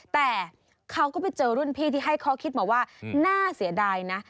แต่เขาก็ไปเจอรุ่นพี่ที่ให้ข้อคิดมาว่าน่าเสียดายนะ